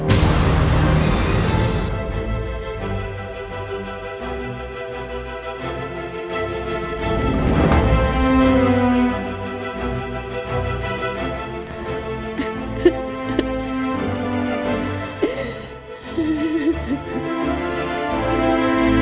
ibu mau kamu pergi